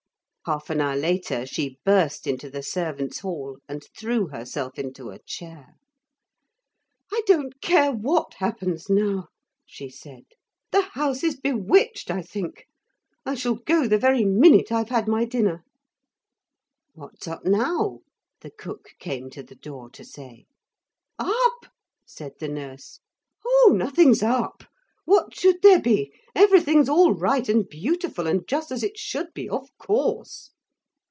Half an hour later she burst into the servants' hall and threw herself into a chair. 'I don't care what happens now,' she said. 'The house is bewitched, I think. I shall go the very minute I've had my dinner.' 'What's up now?' the cook came to the door to say. 'Up?' said the nurse. 'Oh, nothing's up. What should there be? Everything's all right and beautiful, and just as it should be, of course.'